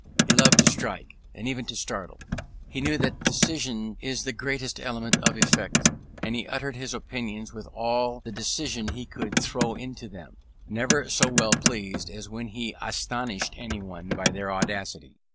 He loved to strike, and even to startle. He knew that decision is the greatest element of effect, and he uttered his opinions with all the decision he could throw into them, never so well pleased as when he astonished anyone by their audacity.